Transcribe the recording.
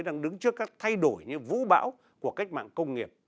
đang đứng trước các thay đổi như vũ bão của cách mạng công nghiệp